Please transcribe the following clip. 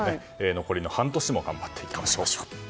残りの半年も頑張っていきましょう。